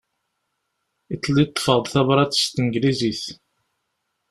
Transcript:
Iḍelli ṭṭfeɣ-d tabrat s tneglizit.